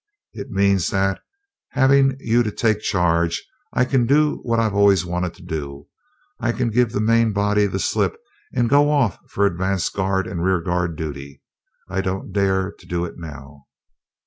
It means that, having you to take charge, I can do what I've always wanted to do I can give the main body the slip and go off for advance guard and rear guard duty. I don't dare to do it now.